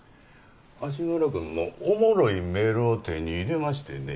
足柄君のおもろいメールを手に入れましてね。